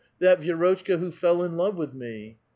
that Vi^rotchka who fell in love with me?"